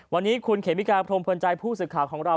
วันนี้คุณเขมิกาพรมพลใจผู้สื่อข่าวของเรา